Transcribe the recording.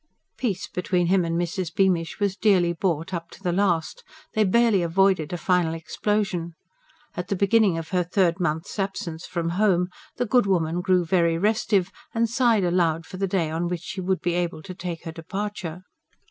Peace between him and Mrs. Beamish was dearly bought up to the last; they barely avoided a final explosion. At the beginning of her third month's absence from home the good woman grew very restive, and sighed aloud for the day on which she would be able to take her departure.